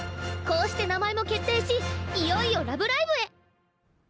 こうして名前も決定しいよいよ「ラブライブ！」へ！